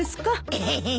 エヘヘ。